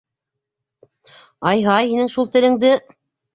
— Ай-һай, һинең шул телеңде!